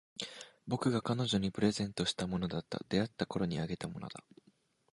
僕が彼女にプレゼントしたものだった。出会ったころにあげたものだ。